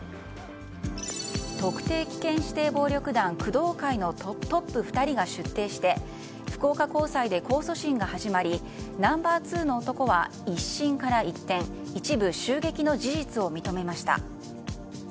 特定危険指定暴力団工藤会のトップ２人が出廷して福岡高裁で控訴審が始まりナンバー２の男は、１審から一転一部、襲撃の事実を認めました。